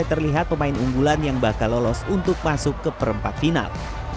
terlihat pemain unggulan yang bakal lolos untuk masuk ke perempat final